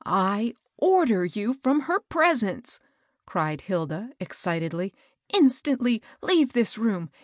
" I order you from her presence," cried Hilda, 332 MABEL BOSS. excitedly. ^^ Instantly leave this room